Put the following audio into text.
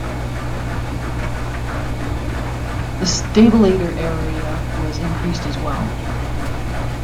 The stabilator area was increased as well.